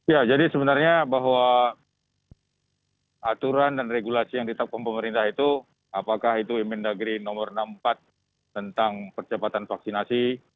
ya jadi sebenarnya bahwa aturan dan regulasi yang ditetapkan pemerintah itu apakah itu imendagri nomor enam puluh empat tentang percepatan vaksinasi